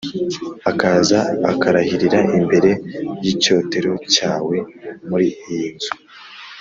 akaza akarahirira imbere y’icyotero cyawe muri iyi nzu